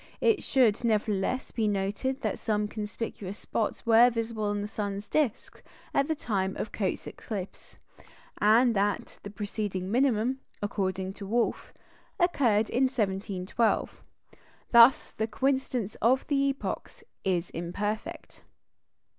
It should, nevertheless, be noted that some conspicuous spots were visible on the sun's disc at the time of Cotes's eclipse, and that the preceding minimum (according to Wolf) occurred in 1712. Thus, the coincidence of epochs is imperfect.